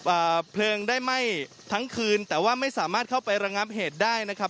เพลิงได้ไหม้ทั้งคืนแต่ว่าไม่สามารถเข้าไประงับเหตุได้นะครับ